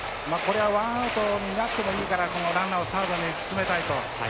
これはワンアウトになってもいいからこのランナーをサードに進めたいと。